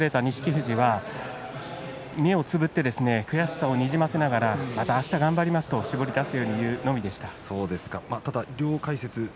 富士は目をつぶって悔しさをにじませながらあしたも頑張りますと絞り出すように言いました。